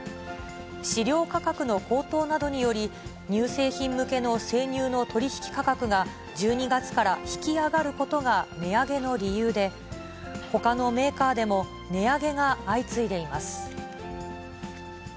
飼料価格の高騰などにより、乳製品向けの生乳の取り引き価格が、１２月から引き上がることが値上げの理由で、ほかのメーカーでも値上げが相次いでいます。